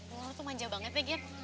lo tuh manja banget deh gir